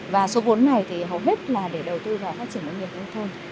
và số vốn này thì hầu hết là để đầu tư vào phát triển nông nghiệp thôi thôi